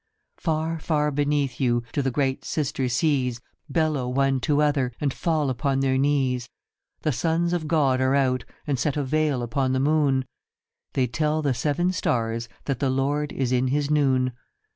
Far, far beneath you do the great sister seas Bellow one to other, and fall upon their knees, The sons of God are out, and set a veil upon the moon : They tell the seven stars that the Lord is in his noon.